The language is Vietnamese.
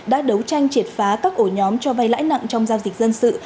đã đấu tranh triệt phá các ổ nhóm cho vay lãi nặng trong giao dịch dân sự